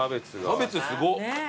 キャベツすごっ。